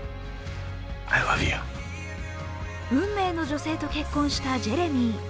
運命の女性と結婚したジェレミー。